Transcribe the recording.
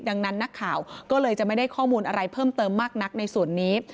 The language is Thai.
ดังนั้นนักข่าวก็เลยจะไม่ได้ข้อมูลอะไรเพิ่มเติมมากนักในส่วนนี้